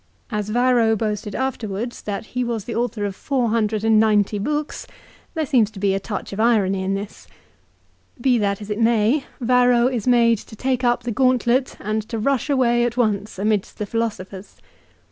As Varro boasted afterwards that he was the author of 490 books, there seems to be a touch of irony in this. Be that as it may, Varro is made to take up the gauntlet and to rush away at once amidst the philosophers.